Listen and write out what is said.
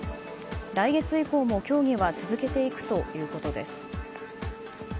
来月以降も協議は続けていくということです。